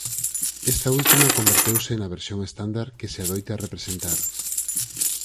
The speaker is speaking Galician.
Esta última converteuse na versión estándar que se adoita representar.